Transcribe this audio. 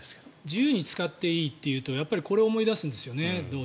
自由に使っていいというとどうしてもこれを思い出すんですよね。